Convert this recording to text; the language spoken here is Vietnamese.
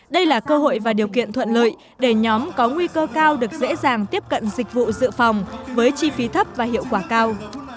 đây là cơ hội và điều kiện thuận lợi để nhóm có nguy cơ cao được dễ dàng tiếp cận dịch vụ dự phòng với chi phí thấp và hiệu quả cao